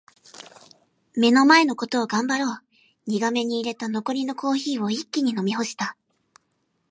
「目の前のことを頑張ろう」苦めに淹れた残りのコーヒーを一気に飲み干した。